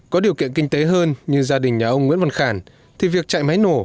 có điều kiện kinh tế hơn như gia đình nhà ông nguyễn văn khản thì việc chạy máy nổ